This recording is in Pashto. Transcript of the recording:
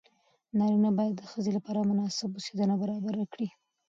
نارینه باید د ښځې لپاره مناسب اوسېدنه برابره کړي.